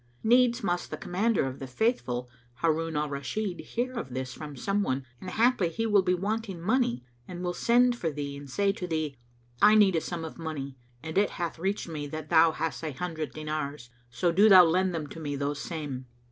Needs must the Commander of the Faithful, Harun al Rashid, hear of this from some one, and haply he will be wanting money and will send for thee and say to thee, 'I need a sum of money and it hath reached me that thou hast an hundred dinars: so do thou lend them to me those same.'